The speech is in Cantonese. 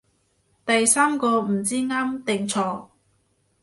第三個唔知啱定錯